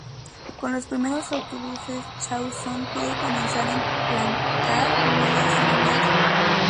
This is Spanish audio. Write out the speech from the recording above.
Con los primeros autobuses Chausson pudo comenzar a implantar nuevas líneas.